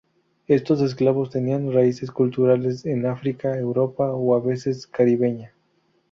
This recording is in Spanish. Estos esclavos tenían raíces culturales en África, Europa o a veces Caribeña.